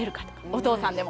お父さんでも。